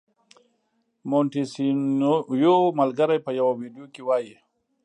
مونټیسینویو ملګری په یوه ویډیو کې وايي.